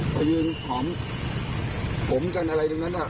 ไปยืนข่าวข่าวกันอะไรอยู่ด้วยนั่น